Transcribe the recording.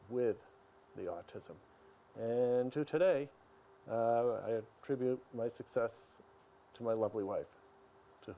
tidak membuat saya merasa terburu buru dengan rakan sekolah